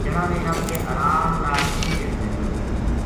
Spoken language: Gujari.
جنا نے نپ کے ارام ناڑ ہیٹھ دھریو